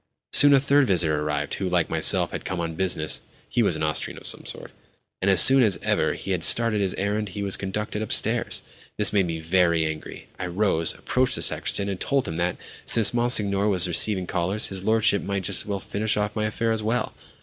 Soon a third visitor arrived who, like myself, had come on business (he was an Austrian of some sort); and as soon as ever he had stated his errand he was conducted upstairs! This made me very angry. I rose, approached the sacristan, and told him that, since Monsignor was receiving callers, his lordship might just as well finish off my affair as well.